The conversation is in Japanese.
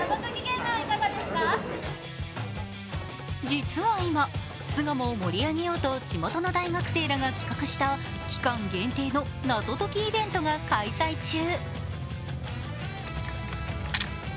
実は今、巣鴨を盛り上げようと、地元の大学生らが企画した期間限定の謎解きイベントが開催中。